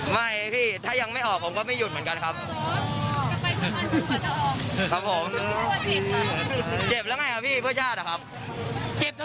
นี่ทีนี้นี่ปุ๊กป้ายการเกิดสู่เมืองแล้วก็ได้เคลียดต่อไป